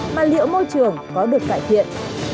mà liệu môi trường có được cải thiện